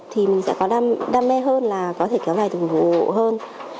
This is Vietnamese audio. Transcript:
thì mình sẽ có đam mê hơn là có thể kéo dài từng hộ hơn